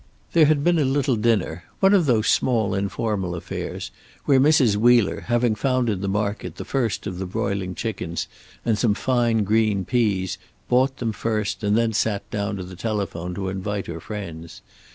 There had been a little dinner, one of those small informal affairs where Mrs. Wheeler, having found in the market the first of the broiling chickens and some fine green peas, bought them first and then sat down to the telephone to invite her friends.